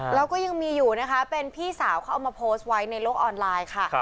แล้วก็ยังมีอยู่นะคะเป็นพี่สาวเขาเอามาโพสต์ไว้ในโลกออนไลน์ค่ะ